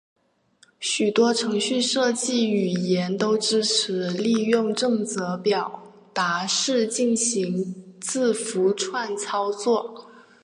许多程序设计语言都支持利用正则表达式进行字符串操作。